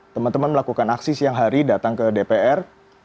teman teman melakukan aksi siang hari datang ke dpr